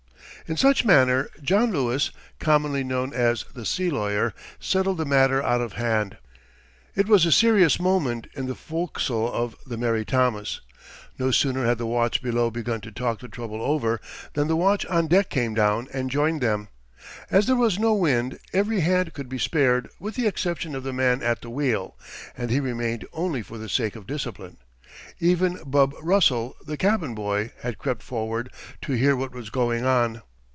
In such manner John Lewis, commonly known as the "sea lawyer," settled the matter out of hand. It was a serious moment in the forecastle of the Mary Thomas. No sooner had the watch below begun to talk the trouble over, than the watch on deck came down and joined them. As there was no wind, every hand could be spared with the exception of the man at the wheel, and he remained only for the sake of discipline. Even "Bub" Russell, the cabin boy, had crept forward to hear what was going on.